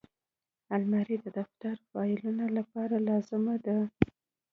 الماري د دفتر فایلونو لپاره لازمي ده